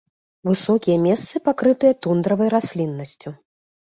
Высокія месцы пакрытыя тундравай расліннасцю.